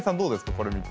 これ見て。